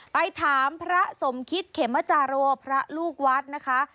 ไปถามพระสมคิตเขมจาโรพระลูกวัดนะคะ